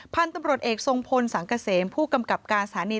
พันธุ์ตำรวจเอกทรงพลสังเกษมผู้กำกับการสถานี